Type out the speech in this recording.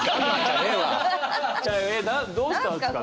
どうしたんですか？